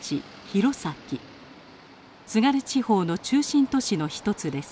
津軽地方の中心都市の一つです。